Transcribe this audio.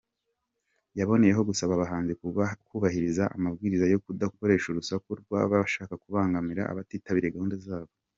Yaboneyeho gusaba abahanzi kubahiriza amabwiriza yo kudakoresha urusaku rwabasha kubangamira abatitabiriye gahunda zabo.